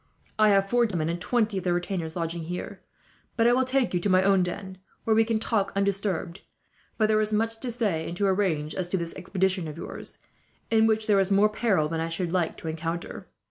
I have four gentlemen and twenty of their retainers lodging here; but I will take you to my own den, where we can talk undisturbed; for there is much to say and to arrange, as to this expedition of yours, in which there is more peril than I should like to encounter.